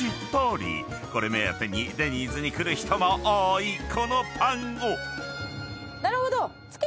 ［これ目当てにデニーズに来る人も多いこのパンを］